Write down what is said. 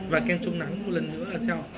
và kem chống nắng một lần nữa là sao